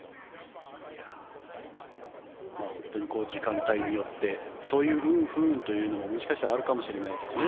本当に時間帯によってそういう運、不運というのももしかしたらあるかもしれないですね。